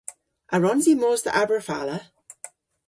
A wrons i mos dhe Aberfala?